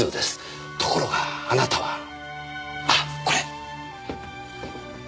ところがあなたはあこれ！